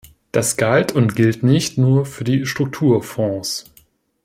Das galt und gilt nicht nur für die Strukturfonds.